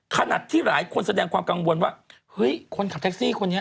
ขนาดที่หลายคนแสดงความกังวลว่าเฮ้ยคนขับแท็กซี่คนนี้